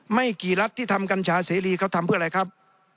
ไม่กี่รัฐที่ทำกัญชาเสรีเขาทำเพื่ออะไรครับ